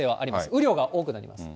雨量が多くなります。